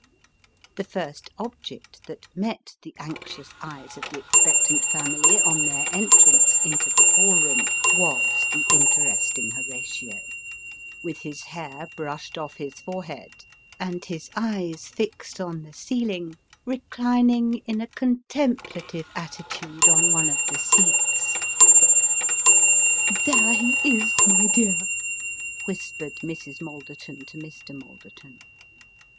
The first object that met the anxious eyes of the expectant family on their entrance into the ball room, was the interesting Horatio, with his hair brushed off his forehead, and his eyes fixed on the ceiling, reclining in a contemplative attitude on one of the seats. " There he is, my dear," whispered Mrs. Malderton to Mr. Malderton.